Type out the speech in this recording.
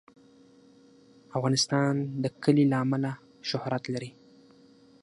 افغانستان د کلي له امله شهرت لري.